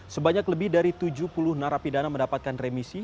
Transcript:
sebanyak lebih dari tujuh puluh narapidana mendapatkan remisi